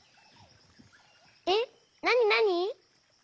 えっなになに？